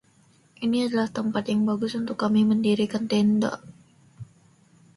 Ini adalah tempat yang bagus untuk kami mendirikan tenda.